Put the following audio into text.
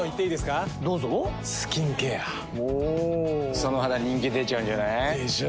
その肌人気出ちゃうんじゃない？でしょう。